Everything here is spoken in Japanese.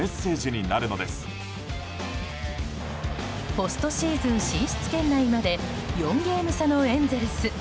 ポストシーズン進出圏内まで４ゲーム差のエンゼルス。